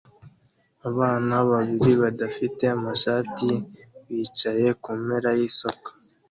Abana babiri badafite amashati bicaye kumpera yisoko